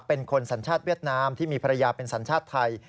เป็นคนสัญชาติเวียดนามที่มีภรรยาเป็นสัญชาติไทย